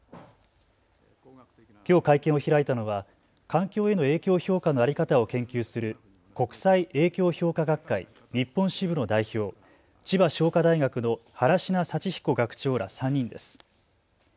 きょう会見を開いたのは環境への影響評価の在り方を研究する国際影響評価学会日本支部の代表、千葉商科大学の原科幸彦学長ら３人です。